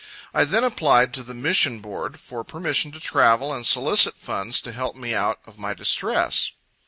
I then applied to the Mission Board, for permission to travel and solicit funds to help me out of my distress.